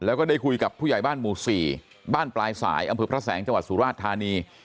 แล้วก็ได้คุยกับผู้ใหญ่บ้านหมู่๔บ้านปลายสายอำเภอพระแสงจังหวัดสุราชธานี